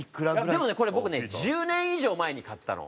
でもねこれ僕ね１０年以上前に買ったの。